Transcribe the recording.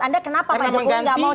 anda kenapa pak jokowi gak mau cawe cawe